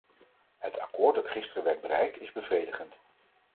Het akkoord dat gisteren werd bereikt is bevredigend.